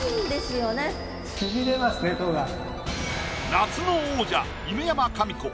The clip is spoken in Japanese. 夏の王者犬山紙子